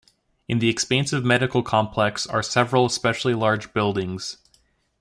In the expansive Medical Complex are several especially large buildings.